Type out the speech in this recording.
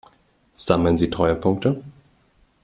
Sammeln Sie Treuepunkte?